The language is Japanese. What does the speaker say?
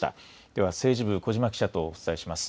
では、政治部、小嶋記者とお伝えします。